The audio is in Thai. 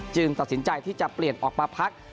ตัดสินใจที่จะเปลี่ยนออกมาพัก